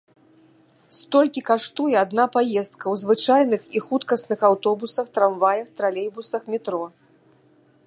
Столькі каштуе адна паездка ў звычайных і хуткасных аўтобусах, трамваях, тралейбусах, метро.